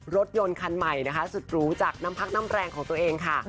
รถยนต์คันใหม่นะคะสุดหรูจากน้ำพักน้ำแรงของตัวเองค่ะ